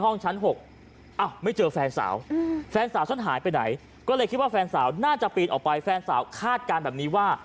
ห้องชั้น๖อ้าวไม่เจอแฟนสาวแฟนสาวฉันหายไปไหนก็เลยคิดว่าแฟนสาวน่าจะปีนออกไปแฟนสาวคาดการณ์แบบนี้ว่า